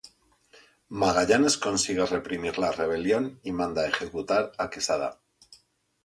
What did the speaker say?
Magallanes consigue reprimir la rebelión y manda ejecutar a Quesada.